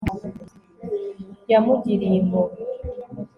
yamugiriye impuhwe